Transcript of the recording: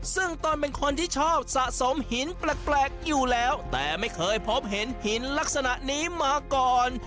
ซึ่งตนเป็นคนที่ชอบสะสมหินแปลกอยู่แล้วแต่ไม่เคยพบเห็นหินลักษณะนี้มาก่อน